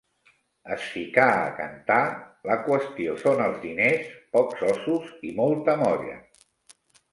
Es ficà a cantar: 'La qüestió són els diners, pocs ossos i molta molla.'